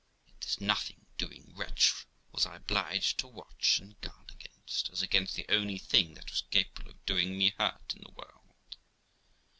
Yet this nothing doing wretch was I obliged to watch and guard against, as against the only thing that was capable of doing me hurt in the world.